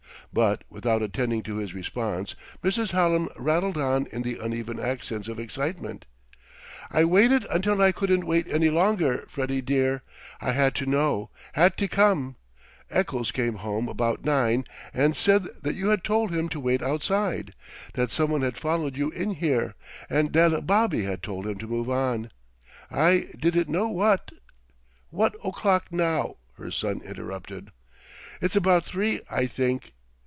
But without attending to his response, Mrs. Hallam rattled on in the uneven accents of excitement. "I waited until I couldn't wait any longer, Freddie dear. I had to know had to come. Eccles came home about nine and said that you had told him to wait outside, that some one had followed you in here, and that a bobby had told him to move on. I didn't know what " "What's o'clock now?" her son interrupted. "It's about three, I think